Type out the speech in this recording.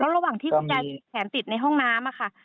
แล้วระหว่างที่คุณแกมีแขนติดในห้องน้ำอะค่ะ